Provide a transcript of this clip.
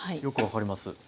よく分かります。